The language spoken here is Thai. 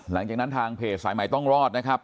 หลังจากนั้นทางเพจสายใหม่ต้องรอดนะครับ